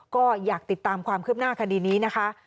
ก็อยากติดตามความคืบหน้าคดีนี้นะคะ